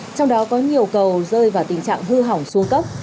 trong đó có nhiều cầu rơi vào tình trạng hư hỏng xuống cấp